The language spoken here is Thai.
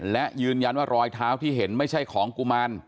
และยืนยันว่ารอยเท้าที่เห็นไม่ใช่ของกุมาร